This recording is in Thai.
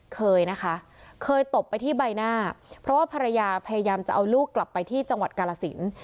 เคยนะคะเคยตบไปที่ใบหน้าเพราะว่าภรรยาพยายามจะเอาลูกกลับไปที่จังหวัดกาลสิน